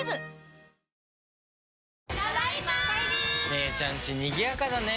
姉ちゃんちにぎやかだね。